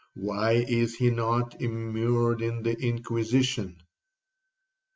—why is he not immured in the Inquisition?'